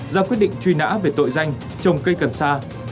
ra quyết định truy nã về tội danh trồng cây cần sa